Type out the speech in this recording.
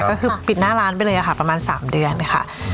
ก็คือปิดหน้าร้านไปเลยค่ะประมาณ๓เดือนค่ะ